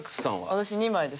私２枚です。